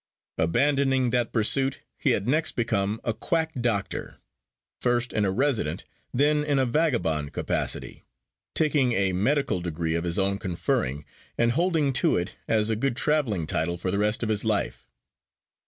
Abandoning that pursuit, he had next become a quack doctor, first in a resident, then in a vagabond capacity taking a medical degree of his own conferring, and holding to it as a good traveling title for the rest of his life.